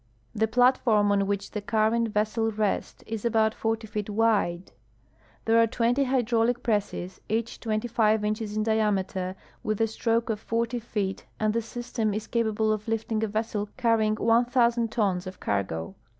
The platform on Avhich the car and vessel rest is about 40 feet wide. There are 20 hydraulic presses, each 25 inches in diameter, with a stroke of 40 feet, and the sy.stem is capable of lifting a vessel carrying 1,000 tons of cargo.